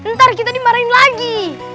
ntar kita dimarahin lagi